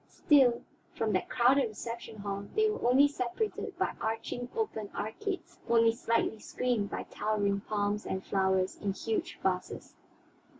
Still, from that crowded reception hall they were only separated by arching, open arcades; only slightly screened by towering palms and flowers in huge vases.